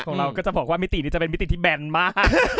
เราก็จะบอกว่ามิตินี้จะเป็นมิติที่แบนมาก